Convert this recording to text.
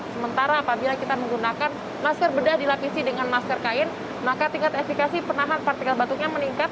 sementara apabila kita menggunakan masker bedah dilapisi dengan masker kain maka tingkat efekasi penahan partikel batuknya meningkat